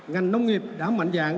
ngành nông nghiệp đã mạnh dạng